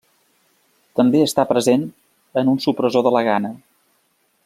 També està present en un supressor de la gana.